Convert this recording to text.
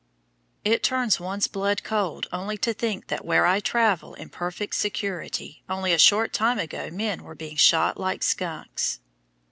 It turns one's blood cold only to think that where I travel in perfect security, only a short time ago men were being shot like skunks.